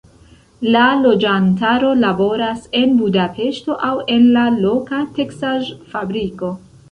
La loĝantaro laboras en Budapeŝto, aŭ en la loka teksaĵ-fabriko.